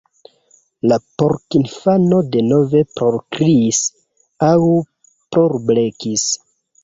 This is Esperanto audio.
La porkinfano denove plorkriis aŭ plorblekis.